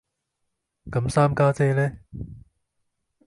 咁三家姐呢